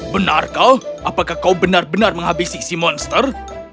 benarkah apakah kau benar benar menghabisi si monster